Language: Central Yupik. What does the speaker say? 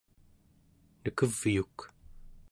nekevyuk